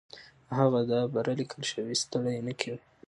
او هغه دا بره ليکلے شوي ستړې نۀ کوي